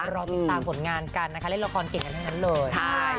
รอติดตามผลงานกันนะคะเล่นละครเก่งกันทั้งนั้นเลย